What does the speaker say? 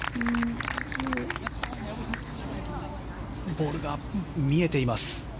ボールが見えています。